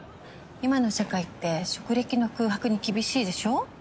今の社会って職歴の空白に厳しいでしょ？